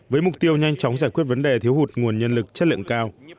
với mục tiêu nhanh chóng giải quyết vấn đề thiếu hụt nguồn nhân lực chất lượng cao